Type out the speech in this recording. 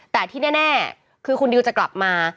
แต่ที่แน่คือคุณดิวจะกลับมา